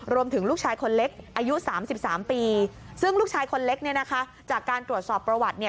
รวมถึงลูกชายคนเล็กอายุ๓๓ปีซึ่งลูกชายคนเล็กจากการตรวจสอบประวัติ